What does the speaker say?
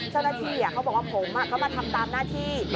เจ้าหน้าที่เขาบอกว่าผมเขามาทำตามหน้าที่